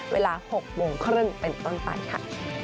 เวลา๖โมงครึ่งเป็นต้นไปค่ะ